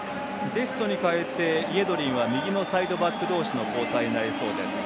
デストに代えて、イェドリンは右のサイドバック同士の交代となりそうです。